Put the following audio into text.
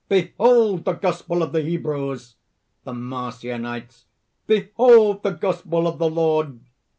"Behold the Gospel of the Hebrews!" THE MARCIONITES. "Behold the Gospel of the Lord!"